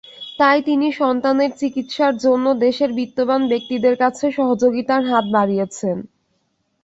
তাই তিনি সন্তানের চিকিৎসার জন্য দেশের বিত্তবান ব্যক্তিদের কাছে সহযোগিতার হাত বাড়িয়েছেন।